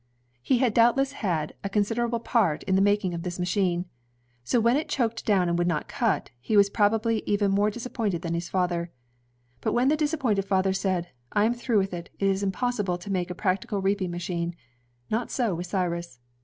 He had doubtless had a considerable CYRUS H. McCORNnCK 149 part in the making of this machine. So when it choked down and would not cut, he was probably even more disappointed than his father. But when the disappointed father said, "I am through with it; it is impossible to make a practical reaping machine," not so with Cyrus.